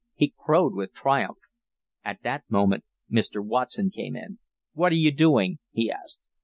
He crowed with triumph. At that moment Mr. Watson came in. "What are you doing?" he asked.